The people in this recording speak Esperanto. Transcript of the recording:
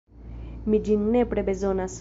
Mi ĝin nepre bezonas.